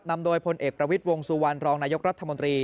นำโดยพลเอกประวิทย์วงสุวรรณรองนายกรัฐมนตรี